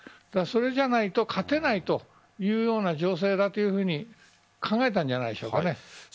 それじゃないと勝てないというような情勢だというふうに考えたんじゃないでしょうか。